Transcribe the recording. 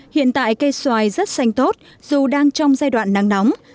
hiện tại cây xoài rất xanh tốt dù đang trong giai đoạn nắng nóng